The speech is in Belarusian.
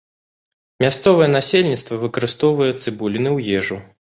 Мясцовае насельніцтва выкарыстоўвае цыбуліны ў ежу.